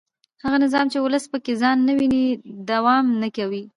هغه نظام چې ولس پکې ځان نه ویني دوام نه کوي